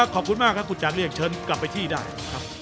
ขอบคุณมากครับคุณจันเรียกเชิญกลับไปที่ได้นะครับ